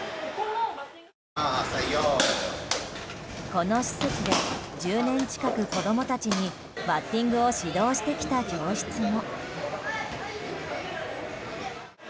この施設で１０年近く、子供たちにバッティングを指導してきた教室も。